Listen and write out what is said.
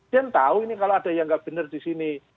dia tahu ini kalau ada yang nggak benar di sini